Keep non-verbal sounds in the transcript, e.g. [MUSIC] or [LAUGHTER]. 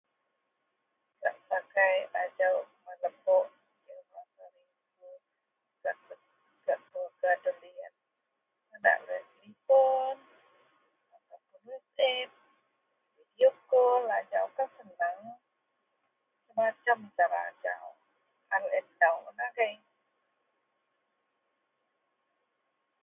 Gak sakai a jawuk kuman lebok… [UNINTELLIGIBLE] gak keluarga deloyen, padak loyen menelepon atau whatsapp, video call. Ajau kan seneng. Macem-macem cara ajau, an laei nou un agei